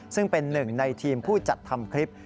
ซึ่งเป็นหนึ่งในทีมผู้จัดทำคลิป